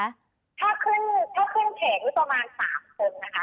ถ้าขึ้นเพจมีประมาณสามคนนะคะ